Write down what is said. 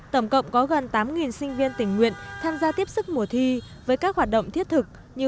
tổng cộng có gần tám sinh viên tình nguyện tham gia tiếp sức mùa thi với các hoạt động thiết thực như